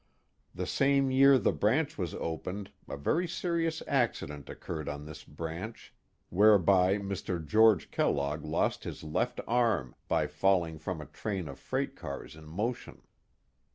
The same year the branch was opened a very serious acci dent occurred on this branch, whereby Mr. George Kellogg lost his left arm by falling from a train of freight cars in motion.